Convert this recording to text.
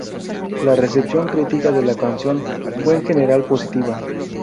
La recepción crítica de la canción fue en general positiva.